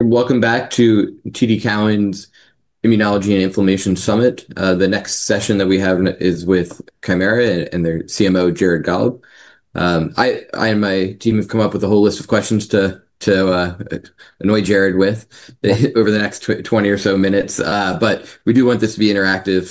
Welcome back to TD Cowen's Immunology & Inflammation Summit. The next session that we have is with Kymera and their CMO, Jared Gollob. I and my team have come up with a whole list of questions to annoy Jared with over the next 20 or so minutes. We do want this to be interactive.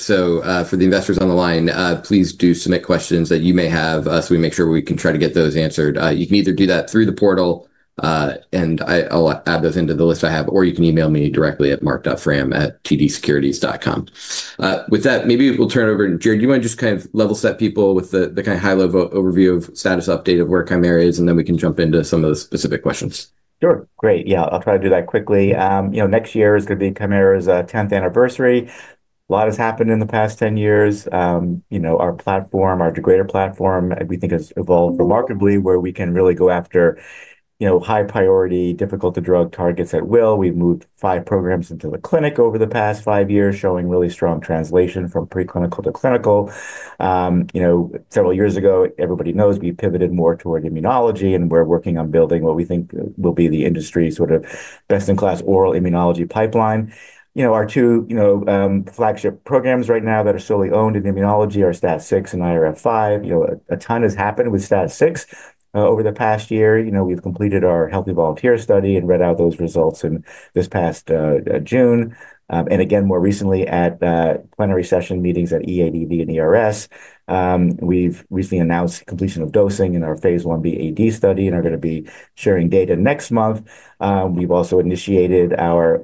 For the investors on the line, please do submit questions that you may have so we make sure we can try to get those answered. You can either do that through the portal, and I'll add those into the list I have, or you can email me directly at marc.frahm@tdsecurities.com. With that, maybe we'll turn it over. Jared, do you want to just kind of level set people with the kind of high-level overview of status update of where Kymera is, and then we can jump into some of the specific questions? Sure. Great. Yeah, I'll try to do that quickly. Next year is going to be Kymera's 10th anniversary. A lot has happened in the past 10 years. Our platform, our degrader platform, we think has evolved remarkably, where we can really go after high-priority, difficult-to-drug targets at will. We've moved five programs into the clinic over the past five years, showing really strong translation from preclinical to clinical. Several years ago, everybody knows we pivoted more toward immunology, and we're working on building what we think will be the industry's sort of best-in-class oral immunology pipeline. Our two flagship programs right now that are solely owned in immunology are STAT6 and IRF5. A ton has happened with STAT6 over the past year. We've completed our Healthy Volunteer study and read out those results this past June. More recently, at plenary session meetings at EADV and ERS, we've recently announced completion of dosing in our phase I-B AD study and are going to be sharing data next month. We've also initiated our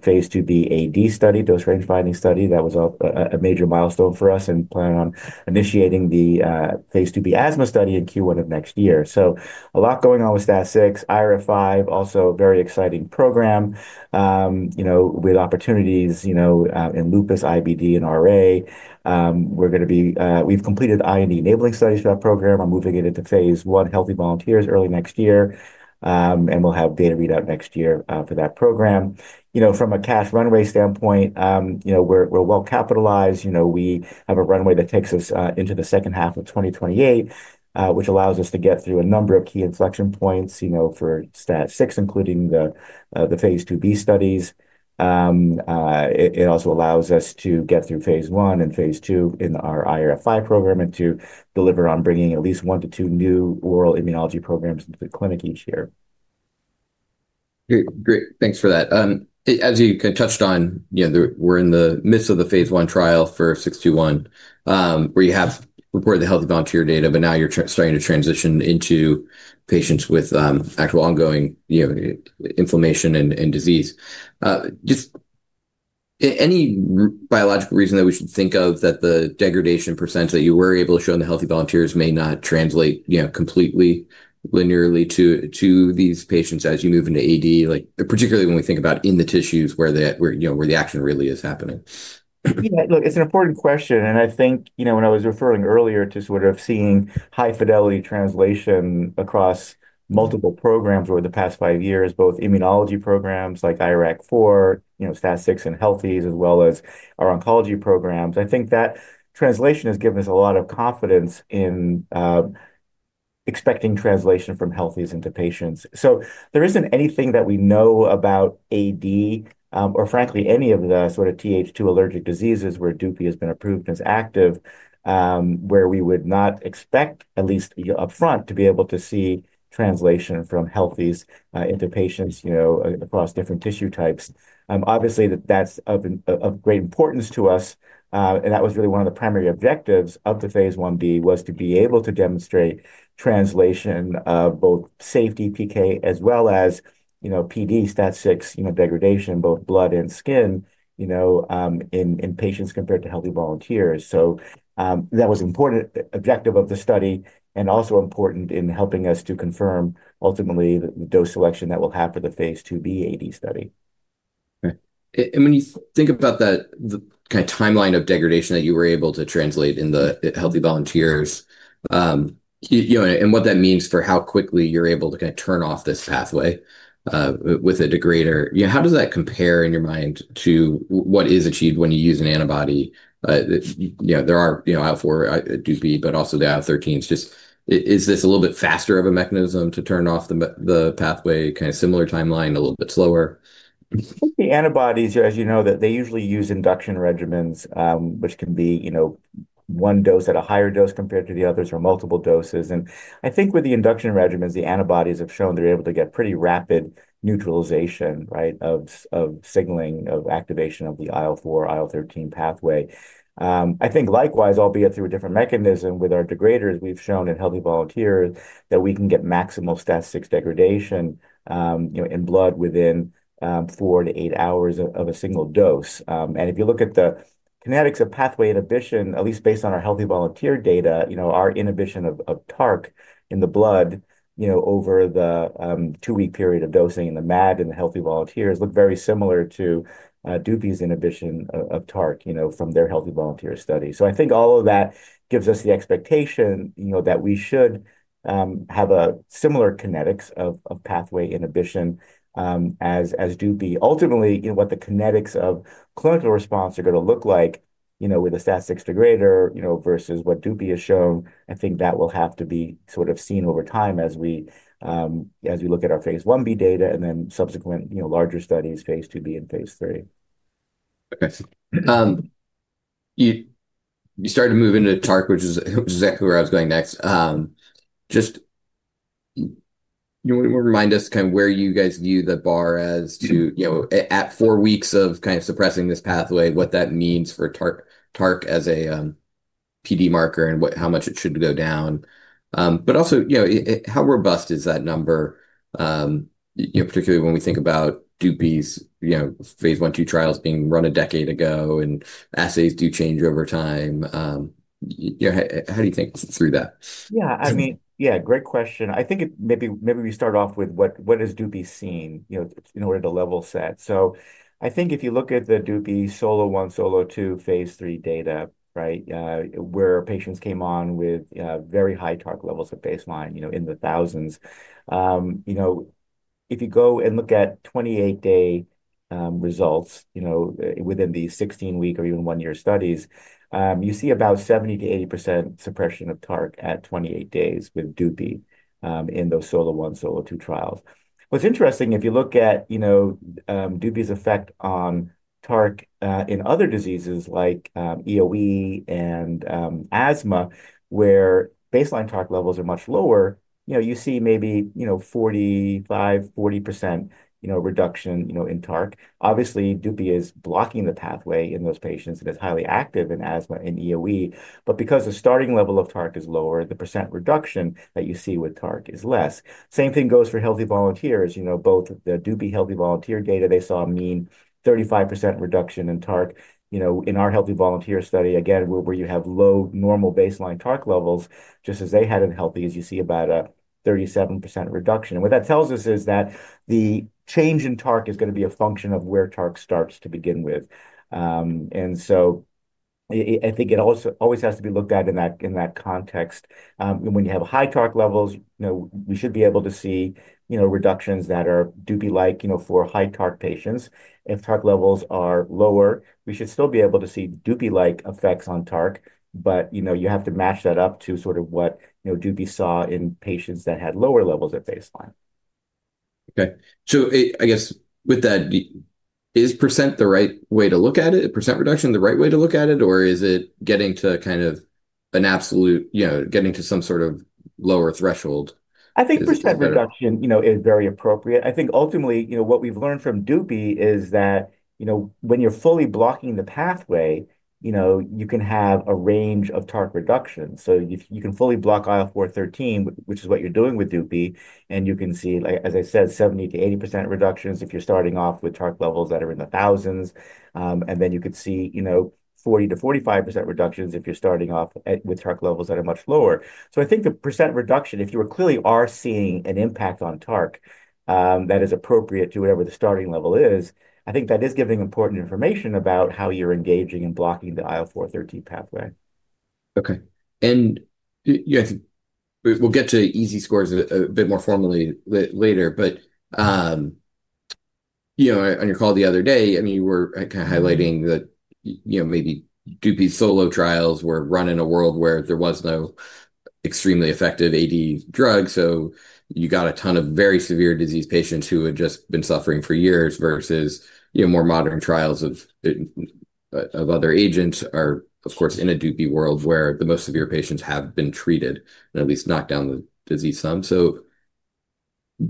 phase II-B AD dose range finding study. That was a major milestone for us in planning on initiating the phase II-B asthma study in Q1 of next year. A lot is going on with STAT6. IRF5, also a very exciting program with opportunities in lupus, IBD, and RA. We've completed IND-enabling studies for that program. We're moving it into phase I Healthy Volunteers early next year, and we'll have data readout next year for that program. From a cash runway standpoint, we're well capitalized. We have a runway that takes us into the second half of 2028, which allows us to get through a number of key inflection points for STAT6, including the phase II-B studies. It also allows us to get through phase I and phase II in our IRF5 program and to deliver on bringing at least one to two new oral immunology programs into the clinic each year. Great. Thanks for that. As you kind of touched on, we're in the midst of the phase I trial for 621, where you have reported the healthy volunteer data, but now you're starting to transition into patients with actual ongoing inflammation and disease. Just any biological reason that we should think of that the degradation percentage that you were able to show in the Healthy Volunteers may not translate completely linearly to these patients as you move into AD, particularly when we think about in the tissues where the action really is happening? Look, it's an important question. I think when I was referring earlier to sort of seeing high-fidelity translation across multiple programs over the past five years, both immunology programs like IRAK4, STAT6, and Healthy's, as well as our oncology programs, I think that translation has given us a lot of confidence in expecting translation from Healthy's into patients. There isn't anything that we know about AD, or frankly, any of the sort of Th2 allergic diseases where dupi has been approved as active, where we would not expect, at least upfront, to be able to see translation from Healthy's into patients across different tissue types. Obviously, that's of great importance to us. That was really one of the primary objectives of the phase I-B, was to be able to demonstrate translation of both safety PK as well as PD, STAT6 degradation, both blood and skin in patients compared to Healthy Volunteers. That was an important objective of the study and also important in helping us to confirm ultimately the dose selection that we'll have for the phase II-B AD study. When you think about that kind of timeline of degradation that you were able to translate in the Healthy Volunteers and what that means for how quickly you're able to kind of turn off this pathway with a degrader, how does that compare in your mind to what is achieved when you use an antibody? There are IL-4, dupi, but also the IL-13s. Just is this a little bit faster of a mechanism to turn off the pathway, kind of similar timeline, a little bit slower? I think the antibodies, as you know, they usually use induction regimens, which can be one dose at a higher dose compared to the others or multiple doses. I think with the induction regimens, the antibodies have shown they're able to get pretty rapid neutralization of signaling of activation of the IL-4, IL-13 pathway. I think likewise, albeit through a different mechanism with our degraders, we've shown in Healthy Volunteers that we can get maximal STAT6 degradation in blood within four to eight hours of a single dose. If you look at the kinetics of pathway inhibition, at least based on our Healthy Volunteer data, our inhibition of TARC in the blood over the two-week period of dosing in the MAD and the Healthy Volunteers look very similar to dupi's inhibition of TARC from their Healthy Volunteer study. I think all of that gives us the expectation that we should have similar kinetics of pathway inhibition as dupi. Ultimately, what the kinetics of clinical response are going to look like with a STAT6 degrader versus what dupi has shown, I think that will have to be sort of seen over time as we look at our phase I-B data and then subsequent larger studies, phase II-B and phase III. Okay. You started to move into TARC, which is exactly where I was going next. Just remind us kind of where you guys view the bar as to at four weeks of kind of suppressing this pathway, what that means for TARC as a PD marker and how much it should go down. Also, how robust is that number, particularly when we think about dupi's phase I, II trials being run a decade ago and assays do change over time? How do you think through that? Yeah. I mean, yeah, great question. I think maybe we start off with what has dupi seen in order to level set. I think if you look at the dupi SOLO 1, SOLO 2, phase III data, where patients came on with very high TARC levels at baseline in the thousands, if you go and look at 28-day results within the 16-week or even one-year studies, you see about 70%-80% suppression of TARC at 28 days with dupi in those SOLO 1, SOLO 2 trials. What's interesting, if you look at dupi's effect on TARC in other diseases like EoE and asthma, where baseline TARC levels are much lower, you see maybe 45%-40% reduction in TARC. Obviously, dupi is blocking the pathway in those patients that is highly active in asthma and EOE. Because the starting level of TARC is lower, the percent reduction that you see with TARC is less. Same thing goes for Healthy Volunteers. Both the dupi Healthy Volunteer data, they saw mean 35% reduction in TARC. In our Healthy Volunteer study, again, where you have low normal baseline TARC levels, just as they had in Healthy's, you see about a 37% reduction. What that tells us is that the change in TARC is going to be a function of where TARC starts to begin with. I think it always has to be looked at in that context. When you have high TARC levels, we should be able to see reductions that are dupi-like for high TARC patients. If TARC levels are lower, we should still be able to see dupi-like effects on TARC, but you have to match that up to sort of what dupi saw in patients that had lower levels at baseline. Okay. I guess with that, is percent the right way to look at it? Percent reduction, the right way to look at it, or is it getting to kind of an absolute, getting to some sort of lower threshold? I think percent reduction is very appropriate. I think ultimately, what we've learned from dupi is that when you're fully blocking the pathway, you can have a range of TARC reductions. You can fully block IL-4/13, which is what you're doing with dupi, and you can see, as I said, 70%-80% reductions if you're starting off with TARC levels that are in the thousands. You could see 40%-45% reductions if you're starting off with TARC levels that are much lower. I think the percent reduction, if you clearly are seeing an impact on TARC that is appropriate to whatever the starting level is, I think that is giving important information about how you're engaging in blocking the IL-4/13 pathway. Okay. We'll get to EASI scores a bit more formally later. On your call the other day, I mean, you were kind of highlighting that maybe dupi SOLO trials were run in a world where there was no extremely effective AD drug. You got a ton of very severe disease patients who had just been suffering for years versus more modern trials of other agents are, of course, in a dupi world where the most severe patients have been treated and at least knocked down the disease some.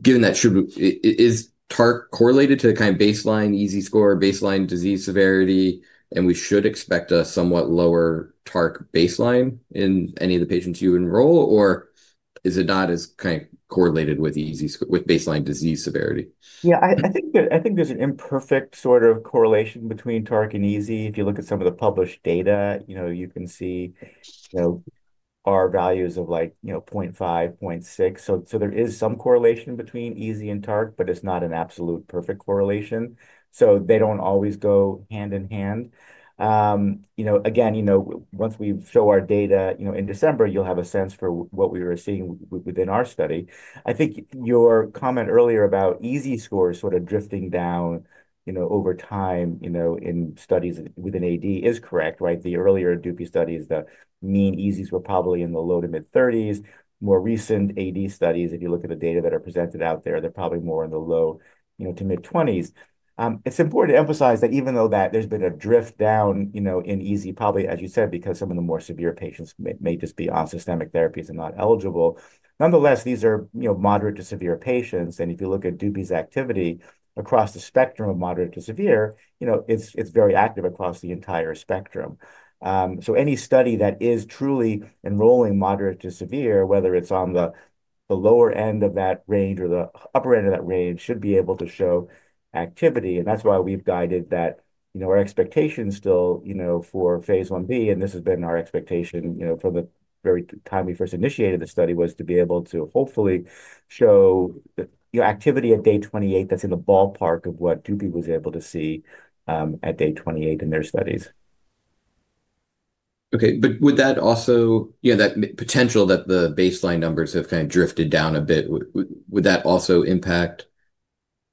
Given that, is TARC correlated to kind of baseline EASI score, baseline disease severity, and we should expect a somewhat lower TARC baseline in any of the patients you enroll, or is it not as kind of correlated with baseline disease severity? Yeah. I think there's an imperfect sort of correlation between TARC and EASI. If you look at some of the published data, you can see R-values of like 0.5, 0.6. So there is some correlation between EASI and TARC, but it's not an absolute perfect correlation. They don't always go hand in hand. Again, once we show our data in December, you'll have a sense for what we were seeing within our study. I think your comment earlier about EASI scores sort of drifting down over time in studies within AD is correct. The earlier dupi studies, the mean EASIs were probably in the low to mid-30s. More recent AD studies, if you look at the data that are presented out there, they're probably more in the low to mid-20s. It's important to emphasize that even though there's been a drift down in EASI, probably, as you said, because some of the more severe patients may just be on systemic therapies and not eligible. Nonetheless, these are moderate to severe patients. If you look at dupi's activity across the spectrum of moderate to severe, it's very active across the entire spectrum. Any study that is truly enrolling moderate to severe, whether it's on the lower end of that range or the upper end of that range, should be able to show activity. That's why we've guided that our expectation still for phase I-B, and this has been our expectation from the very time we first initiated the study, was to be able to hopefully show activity at day 28 that's in the ballpark of what dupi was able to see at day 28 in their studies. Okay. Would that also—that potential that the baseline numbers have kind of drifted down a bit, would that also impact,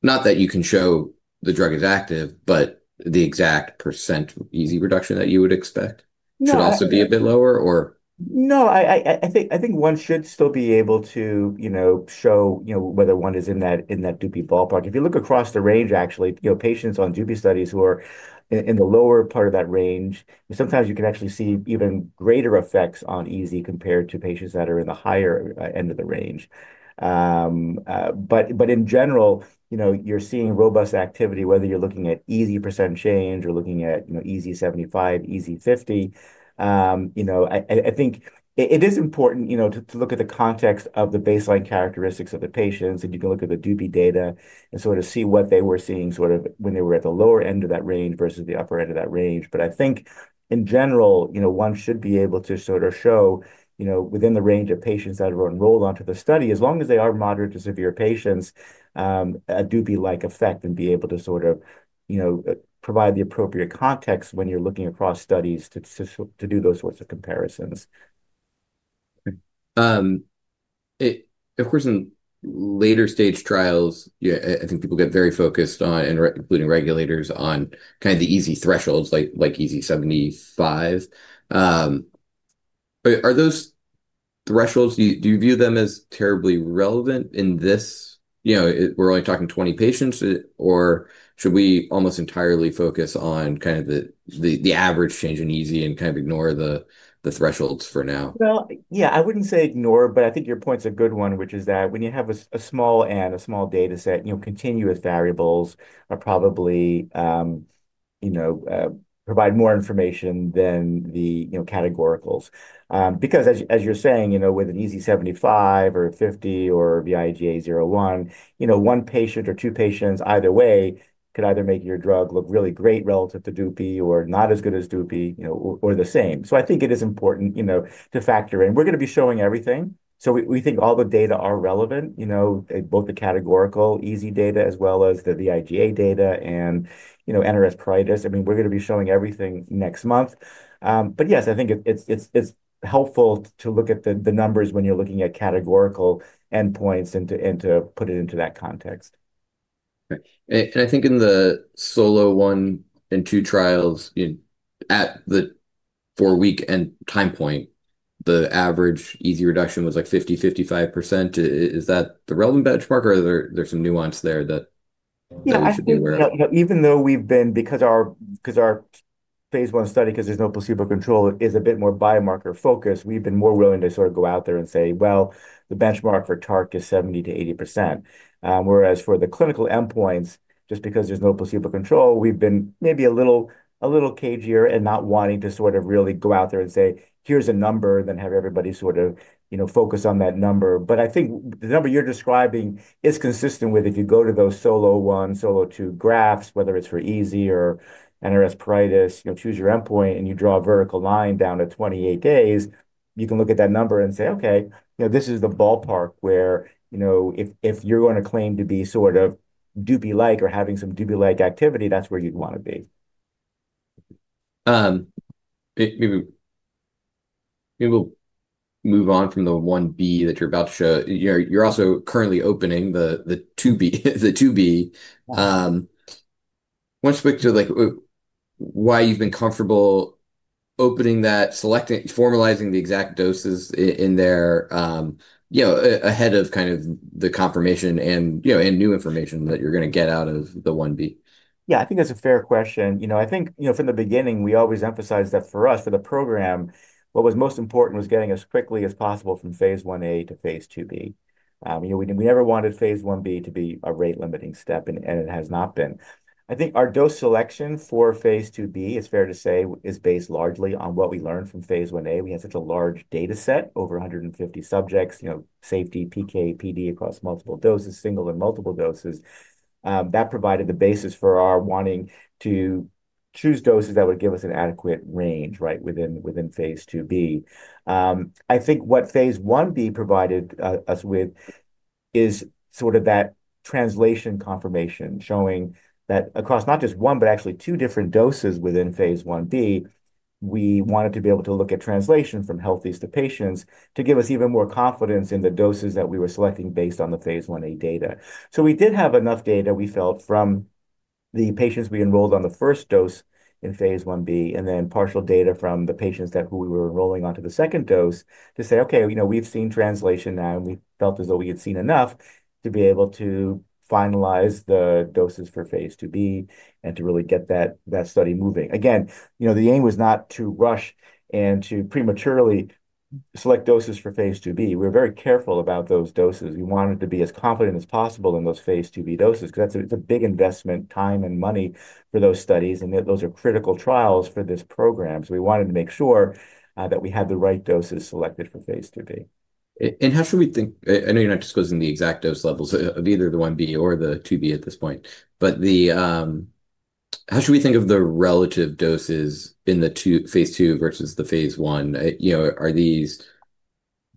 not that you can show the drug is active, but the exact percent EASI reduction that you would expect should also be a bit lower, or? No. I think one should still be able to show whether one is in that dupi ballpark. If you look across the range, actually, patients on dupi studies who are in the lower part of that range, sometimes you can actually see even greater effects on EASI compared to patients that are in the higher end of the range. In general, you're seeing robust activity, whether you're looking at EASI percent change or looking at EASI-75, EASI-50. I think it is important to look at the context of the baseline characteristics of the patients. You can look at the dupi data and sort of see what they were seeing when they were at the lower end of that range versus the upper end of that range. I think in general, one should be able to sort of show within the range of patients that were enrolled onto the study, as long as they are moderate to severe patients, a dupi-like effect and be able to sort of provide the appropriate context when you're looking across studies to do those sorts of comparisons. Of course, in later-stage trials, I think people get very focused on, including regulators, on kind of the EASI thresholds like EASI-75. Are those thresholds, do you view them as terribly relevant in this? We're only talking 20 patients, or should we almost entirely focus on kind of the average change in EASI and kind of ignore the thresholds for now? Yeah, I wouldn't say ignore, but I think your point's a good one, which is that when you have a small N, a small data set, continuous variables probably provide more information than the categoricals. Because as you're saying, with an EASI-75 or 50 or vIGA 0/1, one patient or two patients either way could either make your drug look really great relative to dupi or not as good as dupi or the same. I think it is important to factor in. We're going to be showing everything. We think all the data are relevant, both the categorical EASI data as well as the vIGA data and NRS Pruritus. I mean, we're going to be showing everything next month. Yes, I think it's helpful to look at the numbers when you're looking at categorical endpoints and to put it into that context. I think in the SOLO 1 and 2 trials at the four-week end time point, the average EASI reduction was like 50%-55%. Is that the relevant benchmark, or is there some nuance there? Yeah. I think even though we've been, because our phase I study, because there's no placebo control, is a bit more biomarker focused, we've been more willing to sort of go out there and say, "Well, the benchmark for TARC is 70%-80%." Whereas for the clinical endpoints, just because there's no placebo control, we've been maybe a little cageier and not wanting to sort of really go out there and say, "Here's a number," and then have everybody sort of focus on that number. I think the number you're describing is consistent with if you go to those SOLO 1, SOLO 2 graphs, whether it's for EASI or NRS Pruritus, choose your endpoint, and you draw a vertical line down to 28 days, you can look at that number and say, "Okay, this is the ballpark where if you're going to claim to be sort of dupi-like or having some dupi-like activity, that's where you'd want to be. Maybe we'll move on from the I-B that you're about to show. You're also currently opening the II-B. Once you speak to why you've been comfortable opening that, formalizing the exact doses in there ahead of kind of the confirmation and new information that you're going to get out of the I-B. Yeah. I think that's a fair question. I think from the beginning, we always emphasized that for us, for the program, what was most important was getting as quickly as possible from phase I-A to phase II-B. We never wanted phase I-B to be a rate-limiting step, and it has not been. I think our dose selection for phase II-B, it's fair to say, is based largely on what we learned phase I-A. we had such a large data set, over 150 subjects, safety, PK, PD across multiple doses, single and multiple doses. That provided the basis for our wanting to choose doses that would give us an adequate range within phase II-B. I think what phase I-B provided us with is sort of that translation confirmation showing that across not just one, but actually two different doses within phase I-B, we wanted to be able to look at translation from healthiest of patients to give us even more confidence in the doses that we were selecting based on phase I-A data. We did have enough data, we felt, from the patients we enrolled on the first dose in phase I-B and then partial data from the patients who we were enrolling onto the second dose to say, "Okay, we've seen translation now," and we felt as though we had seen enough to be able to finalize the doses for phase II-B and to really get that study moving. Again, the aim was not to rush and to prematurely select doses for phase II-B. We were very careful about those doses. We wanted to be as confident as possible in those phase II-B doses because it's a big investment, time and money for those studies, and those are critical trials for this program. We wanted to make sure that we had the right doses selected for phase II-B. How should we think? I know you're not disclosing the exact dose levels of either the I-B or the II-B at this point, but how should we think of the relative doses in the phase II versus the phase I? Are these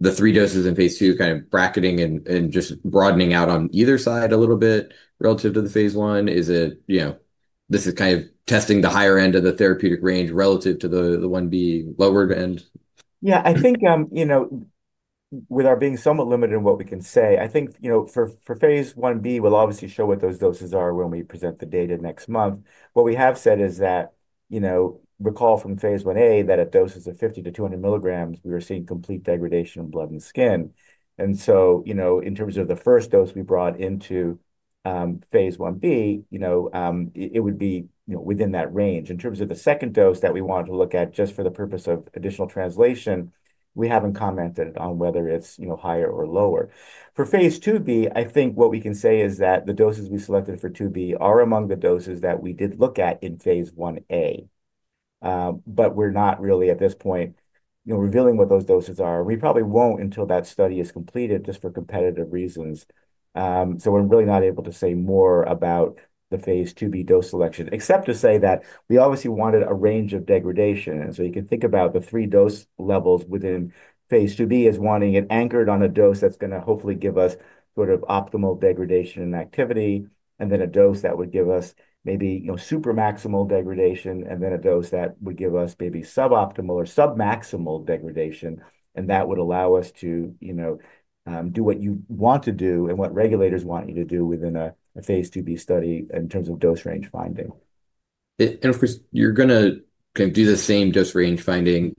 the three doses in phase II kind of bracketing and just broadening out on either side a little bit relative to the phase I? Is it this is kind of testing the higher end of the therapeutic range relative to the I-B lower end? Yeah. I think with our being somewhat limited in what we can say, I think for phase I-B, we'll obviously show what those doses are when we present the data next month. What we have said is that recall phase I-A that at doses of 50 mg-200 mg, we were seeing complete degradation of blood and skin. In terms of the first dose we brought into phase I-B, it would be within that range. In terms of the second dose that we wanted to look at just for the purpose of additional translation, we haven't commented on whether it's higher or lower. For phase II-B, I think what we can say is that the doses we selected for II-B are among the doses that we did look at phase I-A, but we're not really at this point revealing what those doses are. We probably won't until that study is completed just for competitive reasons. We are really not able to say more about the phase II-B dose selection, except to say that we obviously wanted a range of degradation. You can think about the three dose levels within phase II-B as wanting it anchored on a dose that is going to hopefully give us sort of optimal degradation and activity, then a dose that would give us maybe super maximal degradation, and then a dose that would give us maybe suboptimal or submaximal degradation. That would allow us to do what you want to do and what regulators want you to do within a phase II-B study in terms of dose range finding. Of course, you're going to do the same dose range finding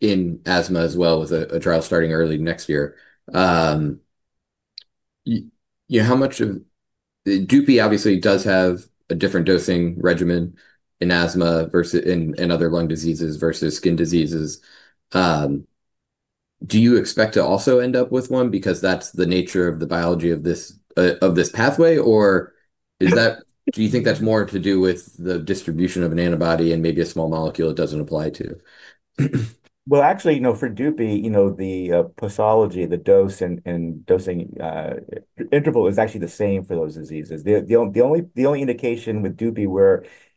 in asthma as well with a trial starting early next year. How much of dupi obviously does have a different dosing regimen in asthma and other lung diseases versus skin diseases. Do you expect to also end up with one because that's the nature of the biology of this pathway, or do you think that's more to do with the distribution of an antibody and maybe a small molecule it doesn't apply to? Actually, for dupi, the posology, the dose and dosing interval is actually the same for those diseases. The only indication with dupi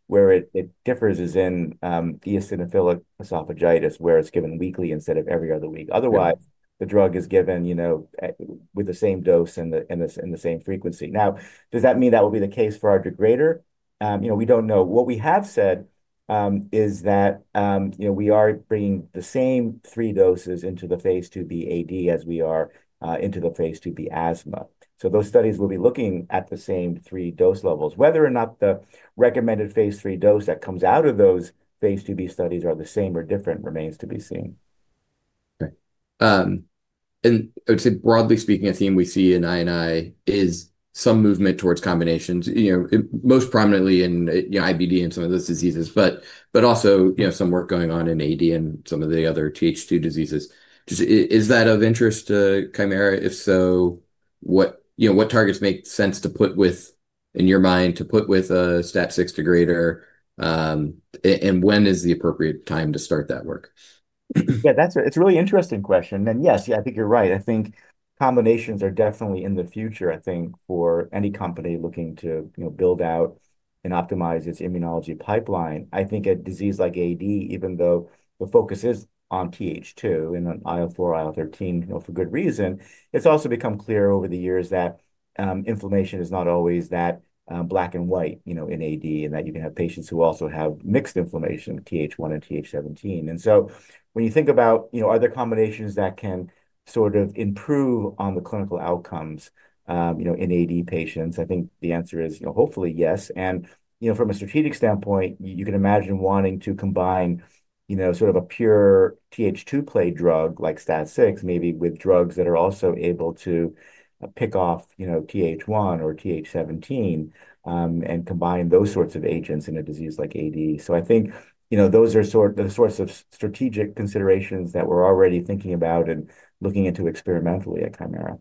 where it differs is in eosinophilic esophagitis where it's given weekly instead of every other week. Otherwise, the drug is given with the same dose and the same frequency. Now, does that mean that will be the case for our degrader? We don't know. What we have said is that we are bringing the same three doses into the phase II-B AD as we are into the phase II-B asthma. Those studies will be looking at the same three dose levels. Whether or not the recommended phase III dose that comes out of those phase II-B studies are the same or different remains to be seen. Okay. I would say broadly speaking, a theme we see in INI is some movement towards combinations, most prominently in IBD and some of those diseases, but also some work going on in AD and some of the other Th2 diseases. Is that of interest to Kymera? If so, what targets make sense to put with, in your mind, to put with a STAT6 degrader, and when is the appropriate time to start that work? Yeah. That's a really interesting question. Yes, I think you're right. I think combinations are definitely in the future, I think, for any company looking to build out and optimize its immunology pipeline. I think a disease like AD, even though the focus is on Th2 and on IL-4, IL-13 for good reason, it's also become clear over the years that inflammation is not always that black and white in AD and that you can have patients who also have mixed inflammation, Th1 and Th17. When you think about are there combinations that can sort of improve on the clinical outcomes in AD patients, I think the answer is hopefully yes. From a strategic standpoint, you can imagine wanting to combine sort of a pure Th2 play drug like STAT6, maybe with drugs that are also able to pick off Th1 or Th17 and combine those sorts of agents in a disease like AD. I think those are the sorts of strategic considerations that we're already thinking about and looking into experimentally at Kymera.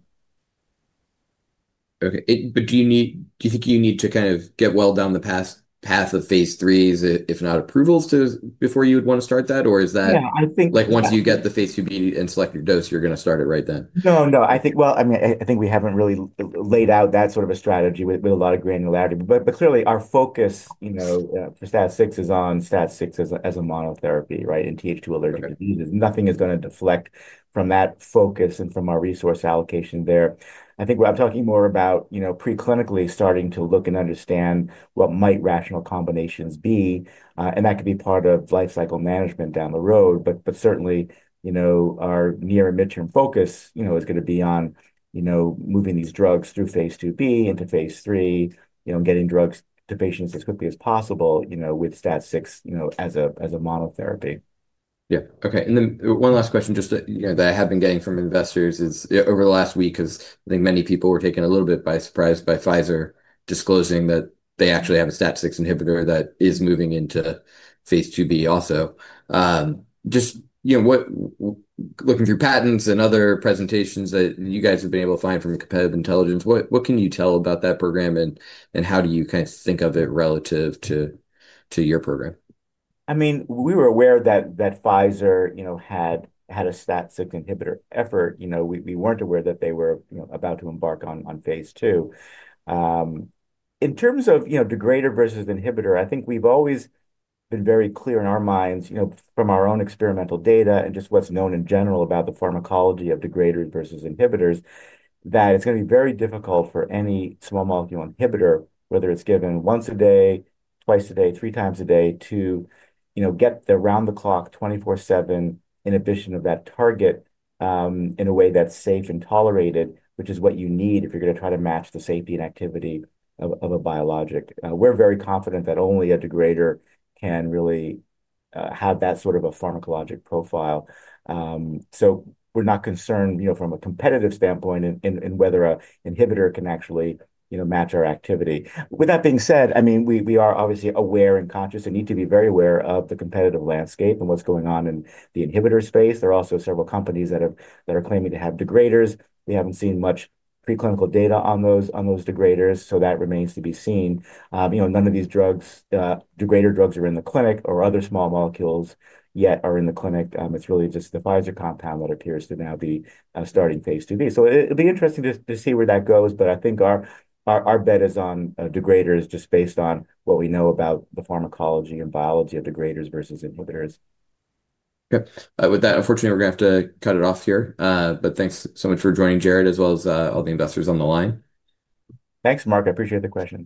Okay. Do you think you need to kind of get well down the path of phase III, if not approvals, before you would want to start that, or is that once you get the phase II-B and select your dose, you're going to start it right then? No, no. I mean, I think we haven't really laid out that sort of a strategy with a lot of granularity. Clearly, our focus for STAT6 is on STAT6 as a monotherapy, right, in Th2 allergic diseases. Nothing is going to deflect from that focus and from our resource allocation there. I think I'm talking more about preclinically starting to look and understand what might rational combinations be. That could be part of life cycle management down the road. Certainly, our near and midterm focus is going to be on moving these drugs through phase II-B into phase III, getting drugs to patients as quickly as possible with STAT6 as a monotherapy. Yeah. Okay. One last question just that I have been getting from investors over the last week is I think many people were taken a little bit by surprise by Pfizer disclosing that they actually have a STAT6 inhibitor that is moving into phase II-B also. Just looking through patents and other presentations that you guys have been able to find from competitive intelligence, what can you tell about that program, and how do you kind of think of it relative to your program? I mean, we were aware that Pfizer had a STAT6 inhibitor effort. We weren't aware that they were about to embark on phase II. In terms of degrader versus inhibitor, I think we've always been very clear in our minds from our own experimental data and just what's known in general about the pharmacology of degraders versus inhibitors that it's going to be very difficult for any small molecule inhibitor, whether it's given once a day, twice a day, 3x a day, to get the round-the-clock 24/7 inhibition of that target in a way that's safe and tolerated, which is what you need if you're going to try to match the safety and activity of a biologic. We're very confident that only a degrader can really have that sort of a pharmacologic profile. We're not concerned from a competitive standpoint in whether an inhibitor can actually match our activity. With that being said, I mean, we are obviously aware and conscious and need to be very aware of the competitive landscape and what's going on in the inhibitor space. There are also several companies that are claiming to have degraders. We haven't seen much preclinical data on those degraders, so that remains to be seen. None of these degrader drugs are in the clinic or other small molecules yet are in the clinic. It's really just the Pfizer compound that appears to now be starting phase II-B. It'll be interesting to see where that goes, but I think our bet is on degraders just based on what we know about the pharmacology and biology of degraders versus inhibitors. Okay. With that, unfortunately, we're going to have to cut it off here. Thanks so much for joining, Jared, as well as all the investors on the line. Thanks, Marc. I appreciate the question.